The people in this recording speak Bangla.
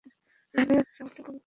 তাহলে শহরটা পুরো ফাঁকা হয়ে যাবে।